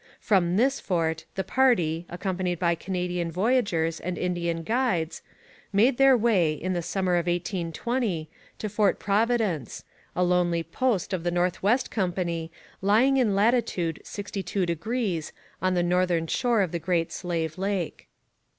From this fort the party, accompanied by Canadian voyageurs and Indian guides, made their way, in the summer of 1820, to Fort Providence, a lonely post of the North West Company lying in latitude 62° on the northern shore of the Great Slave Lake.